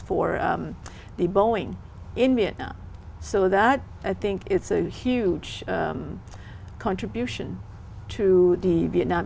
có thể bắt đầu một tình trạng để giúp đỡ những công ty cộng đồng đến việt nam